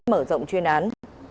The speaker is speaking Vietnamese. mở rộng chuyên án